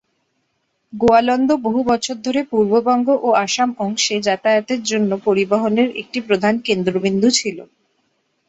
গোয়ালন্দ বহু বছর ধরে পূর্ববঙ্গ ও আসাম অংশে যাতায়াতের জন্য পরিবহনের একটি প্রধান কেন্দ্রবিন্দু ছিল।